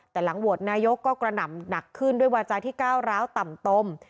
แต่หลังโหวตนายกก็กระหน่ำหนักขึ้นด้วยวาจาที่ก้าวร้าวต่ำตม